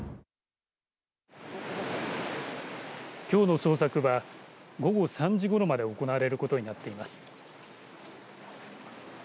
きょうの捜索は午後３時ごろまで行われることになっています。